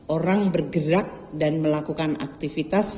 orang bergerak dan melakukan aktivitas